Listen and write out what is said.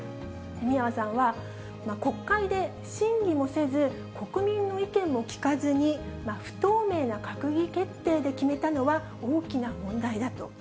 宮間さんは、国会で審議もせず、国民の意見も聞かずに不透明な閣議決定で決めたのは大きな問題だと。